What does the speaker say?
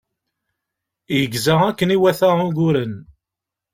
Yegza akken iwata uguren.